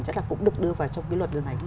chắc là cũng được đưa vào trong cái luật lần này